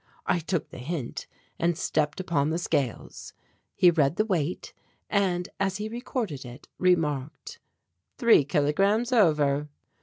I took the hint and stepped upon the scales. He read the weight and as he recorded it, remarked: "Three kilograms over."